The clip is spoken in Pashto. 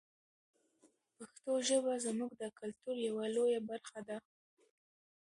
پښتو ژبه زموږ د کلتور یوه لویه برخه ده.